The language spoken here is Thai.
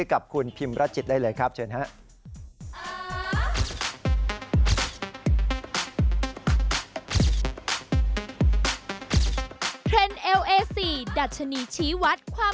กับคุณพิมพ์รัชจิตได้เลยครับเชิญฮะ